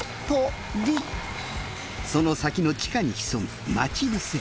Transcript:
その先の地下に潜む待ち伏せ。